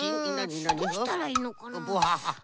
どうしたらいいのかな？